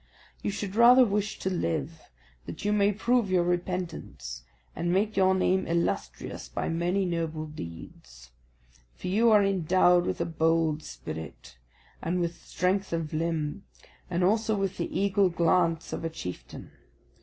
"You should rather wish to live, that you may prove your repentance, and make your name illustrious by many noble deeds; for you are endowed with a bold spirit and with strength of limb, and also with the eagle glance of a chieftain.